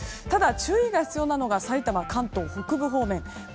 ただ、注意が必要なのはさいたま、関東北部方面。